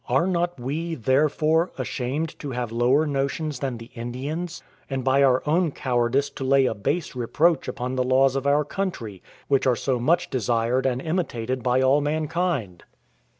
Are not we, therefore, ashamed to have lower notions than the Indians? and by our own cowardice to lay a base reproach upon the laws of our country, which are so much desired and imitated by all mankind?